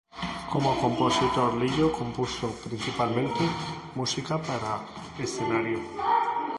Como compositor, Lillo compuso principalmente música para escenario.